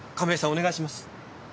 お願いします。